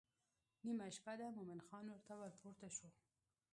نیمه شپه ده مومن خان ورته ورپورته شو.